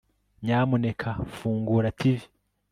nyamuneka fungura tivi